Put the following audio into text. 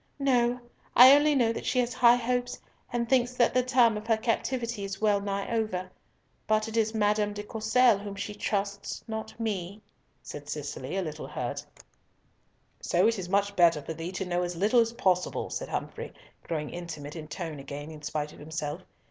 "No; I only know that she has high hopes, and thinks that the term of her captivity is well nigh over. But it is Madame de Courcelles whom she trusts, not me," said Cicely, a little hurt. "So is it much better for thee to know as little as possible," said Humfrey, growing intimate in tone again in spite of himself.